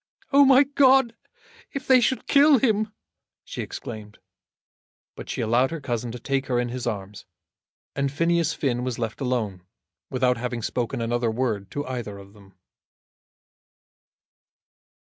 "Oh, my God, if they should kill him!" she exclaimed. But she allowed her cousin to take her in his arms, and Phineas Finn was left alone without having spoken another word to either of them.